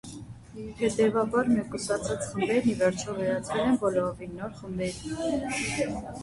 Հետևաբար մեկուսացած խմբերն ի վերջո վերածվել են բոլորովին նոր խմբերի։